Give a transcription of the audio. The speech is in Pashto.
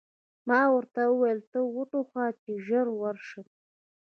ما ورته وویل: ته و ټوخه، چې ژر ورشم.